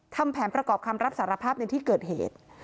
ทำแผนประกอบคำรับสารภาพในที่เกิดเหตุ